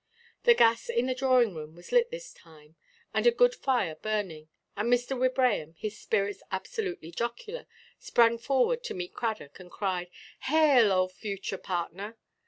The gas in the drawing–room was lit this time, and a good fire burning; and Mr. Wibraham, in spirits absolutely jocular, sprang forward to meet Cradock, and cried, "Hail, oh future partner!"